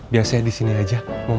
bidadari saya datang